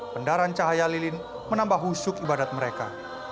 pendaran cahaya lilin menambah husuk ibadat mereka